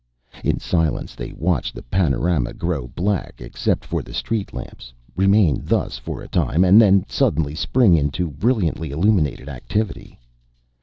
In silence they watched the panorama grow black except for the street lamps, remain thus for a time, and then suddenly spring into brilliantly illuminated activity.